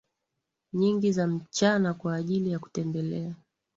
nyingi za mchana kwa ajili ya kutembelea